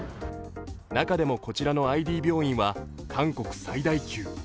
中でもこちらのＩＤ病院は韓国最大級。